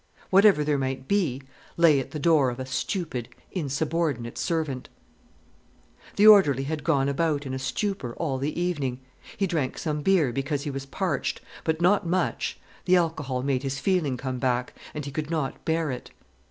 Whatever there might be lay at the door of a stupid, insubordinate servant. The orderly had gone about in a stupor all the evening. He drank some beer because he was parched, but not much, the alcohol made his feeling come back, and he could not bear it.